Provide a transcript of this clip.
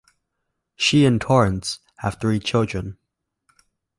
She and Torrance have three childre.